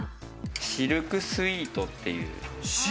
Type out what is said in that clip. シルクスイートっていう。